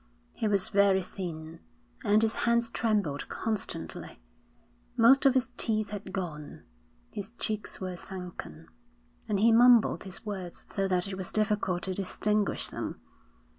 He was very thin, and his hands trembled constantly. Most of his teeth had gone; his cheeks were sunken, and he mumbled his words so that it was difficult to distinguish them.